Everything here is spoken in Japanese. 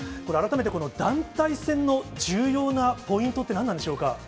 改めて団体戦の重要なポイントって、何なんでしょうか。